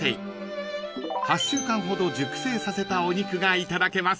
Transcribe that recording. ［８週間ほど熟成させたお肉がいただけます］